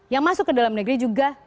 yang masuk ke dalam negeri juga